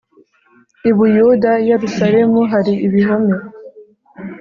i Buyuda i Yerusalemu hari ibihome